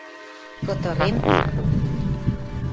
Кытырем!..